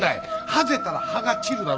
はぜたら葉が散るだろ。